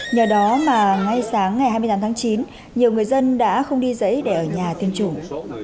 nhờ đó mà ngay sáng ngày hai mươi tám tháng chín nhiều người dân đã không đi dãy để ở nhà tiêm chủng